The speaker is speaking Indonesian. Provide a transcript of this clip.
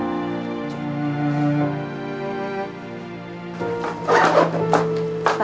colok ke anaknya